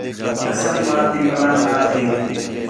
اصل ماں تی ملام نہ تھے